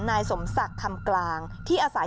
นายสมศักดิ์คำกลางที่อาศัย